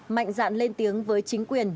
mạnh dạn lên tiếng với chính quyền